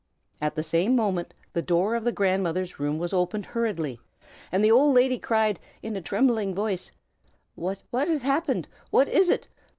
At the same moment the door of the grandmother's room was opened hurriedly, and the old lady cried, in a trembling voice, "What has happened? What is it?